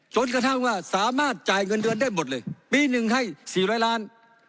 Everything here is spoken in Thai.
จนกระทั่งว่าสามารถจ่ายเงินเดือนได้หมดเลยปีหนึ่งให้๔๐๐ล้าน